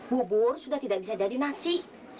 bubur sudah tidak bisa jadi nasi